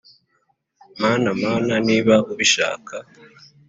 mana, mana, niba ubishaka,